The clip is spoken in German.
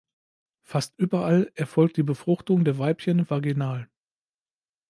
Fast überall erfolgt die Befruchtung der Weibchen vaginal.